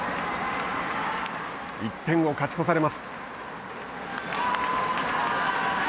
１点を勝ち越されます。